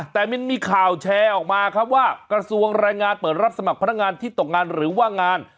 แต่มันมีข่าวแชร์ออกมาครับว่ากระทรวงแรงงานเปิดรับสมัครพนักงานที่ตกงานหรือว่างาน